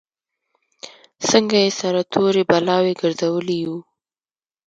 څنګه یې سره تورې بلاوې ګرځولي یو.